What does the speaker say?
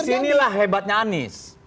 di sinilah hebatnya anies